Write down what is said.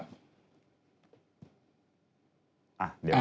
อ่ะเดี๋ยวมา